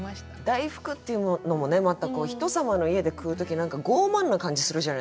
「大福」っていうのもねまた人様の家で食う時何か傲慢な感じするじゃないですか。